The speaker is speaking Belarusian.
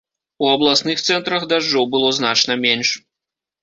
У абласных цэнтрах дажджоў было значна менш.